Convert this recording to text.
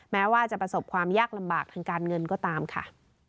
แม้ว่าจะประสบความยากลำบากทางการเงินก็ตามค่ะ